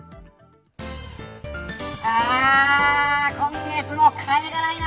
ああ、今月も金がないな。